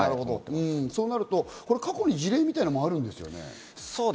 そうなると過去に事例みたいなのもあるんですよね。